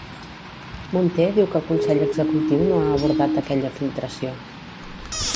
Munté diu que el Consell Executiu no ha abordat aquella filtració.